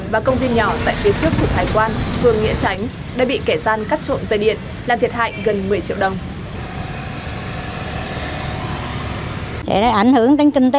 và công viên nhỏ tại phía trước của thái quan phường nghĩa chánh